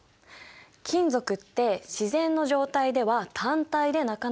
金属って自然の状態では単体でなかなか存在しない。